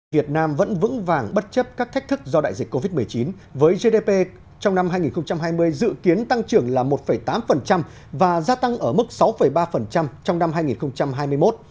việt nam vẫn vững vàng bất chấp các thách thức do đại dịch covid một mươi chín với gdp trong năm hai nghìn hai mươi dự kiến tăng trưởng là một tám và gia tăng ở mức sáu ba trong năm hai nghìn hai mươi một